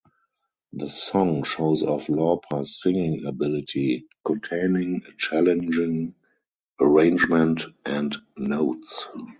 The song shows off Lauper's singing ability, containing a challenging arrangement and notes.